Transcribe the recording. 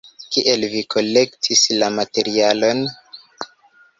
Kiel vi kolektis la materialon?